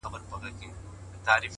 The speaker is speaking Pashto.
o جـنــگ له فريادي ســــره،